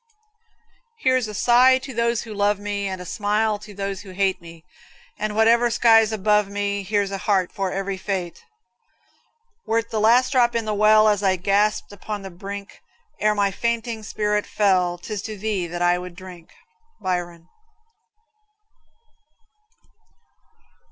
Here's a sigh to those who love me, And a smile to those who hate, And whatever sky's above me, Here's a heart for every fate. Were't the last drop in the well, As I gasped upon the brink, Ere my fainting spirit fell, 'Tis to thee that I would drink. Byron.